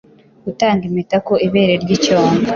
Utanga impetaku ibere ryicyombo